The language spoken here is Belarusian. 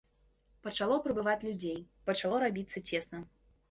Пачало прыбываць людзей, пачало рабіцца цесна.